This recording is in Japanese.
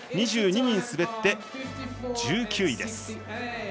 ２２人滑って１９位です。